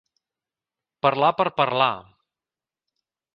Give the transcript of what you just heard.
Parlar per parlar.